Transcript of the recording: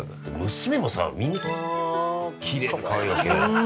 娘もさ、みんなきれいでかわいいわけ。